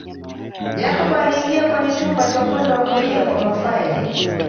Jacob aliingia kwenye chumba cha upande wa kulia wa mafaili